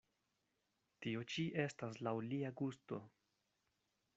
Tio ĉi estas laŭ lia gusto.